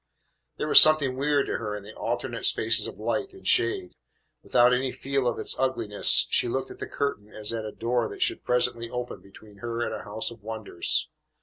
There was something weird to her in the alternate spaces of light and shade. Without any feeling of its ugliness, she looked at the curtain as at a door that should presently open between her and a house of wonders.